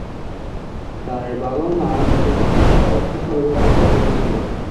তাঁর বাবা-মা তাকে যথেষ্ট অর্থ সরবরাহ করেছিল।